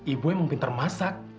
ibu emang pinter masak